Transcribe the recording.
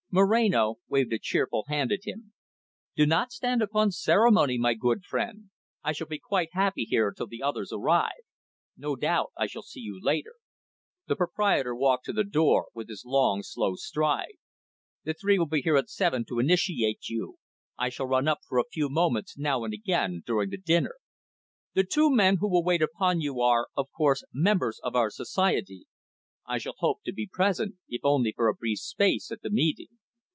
Moreno waved a cheerful hand at him. "Do not stand upon ceremony, my good old friend. I shall be quite happy here till the others arrive. No doubt I shall see you later." The proprietor walked to the door, with his long, slow stride. "The three will be here at seven to initiate you. I shall run up for a few moments now and again during the dinner. The two men who will wait upon you are, of course, members of our society. I shall hope to be present, if only for a brief space, at the meeting.